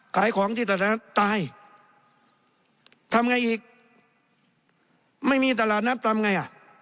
ขายของที่ตลาดนั้นตายทำไงอีกไม่มีตลาดน้ำตำไงอ่ะ